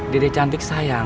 dede cantik sayang